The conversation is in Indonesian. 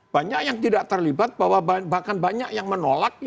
banyak yang tidak terlibat bahwa bahkan banyak yang menolak